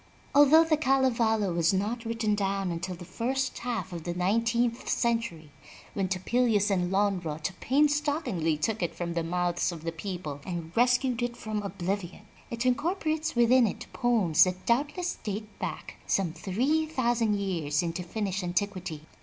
Although the Kalevala was not written down until the first half of the nine teenth century, when Topelius and Lonnrot painstakingly took it from the mouths of the people and rescued it from oblivion, it incorporates within it poems that doubtless date back some three thousand years into Finnish antiquity.